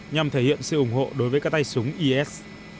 nhằm thể hiện sự ủng hộ đối với các tay súng is